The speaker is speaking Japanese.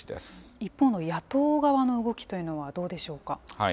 一方の野党側の動きというのはどうでしょうか。